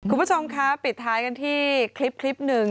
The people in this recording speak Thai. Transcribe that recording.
คุณผู้ชมคะปิดท้ายกันที่คลิปหนึ่ง